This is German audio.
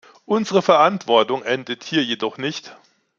Unsere Verantwortung endet hier jedoch nicht.